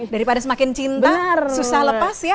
daripada semakin cinta susah lepas ya